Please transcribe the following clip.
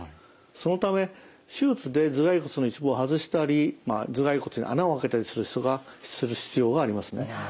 そのため手術で頭蓋骨の一部を外したり頭蓋骨に穴を開けたりする必要がありますね。